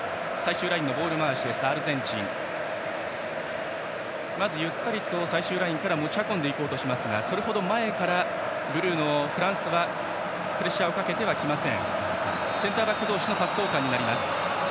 アルゼンチンはまずゆったりと最終ラインから持ち運ぼうとしますがそれほど前からブルーのフランスはプレッシャーをかけてきません。